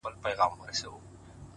زحمت د هیلو اور ژوندی ساتي!.